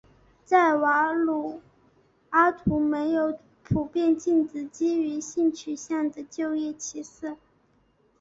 在瓦努阿图没有普遍禁止基于性取向的就业歧视。